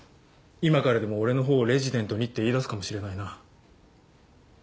今からでも俺の方をレジデントにって言いだすかもしれないな。